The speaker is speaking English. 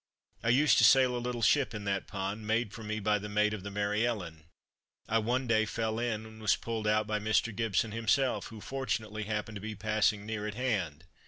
I used to sail a little ship in that pond, made for me by the mate of the Mary Ellen. I one day fell in, and was pulled out by Mr. Gibson himself, who fortunately happened to be passing near at hand.